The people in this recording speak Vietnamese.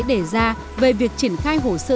đề ra về việc triển khai hồ sơ